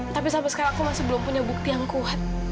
tapi sampai sekarang aku masih belum punya bukti yang kuat